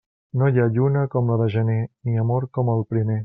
No hi ha lluna com la de gener, ni amor com el primer.